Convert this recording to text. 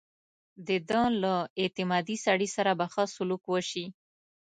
د ده له اعتمادي سړي سره به ښه سلوک وشي.